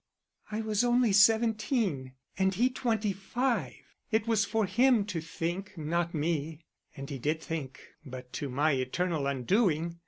"I was only seventeen, he twenty five. It was for him to think, not me. And he did think but to my eternal undoing.